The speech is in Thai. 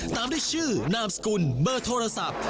ตามด้วยชื่อนามสกุลเบอร์โทรศัพท์